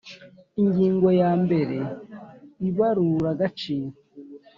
Ingingo ya mbere Ibaruragaciro